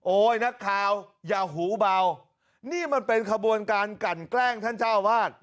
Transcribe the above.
นักข่าวอย่าหูเบานี่มันเป็นขบวนการกันแกล้งท่านเจ้าวาด